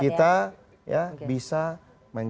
kita bisa menjaga